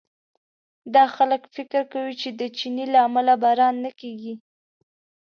دا خلک فکر کوي چې د چیني له امله باران نه کېږي.